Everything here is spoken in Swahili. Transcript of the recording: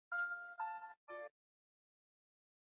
Mapafu ya mnyama aliyekufa kwa ugonjwa wa pumu hujifunga